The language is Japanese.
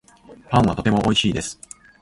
パンはとてもおいしいです